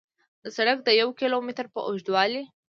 د سړک د یو کیلو متر په اوږدوالي